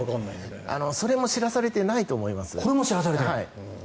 それも知らされていないと思います。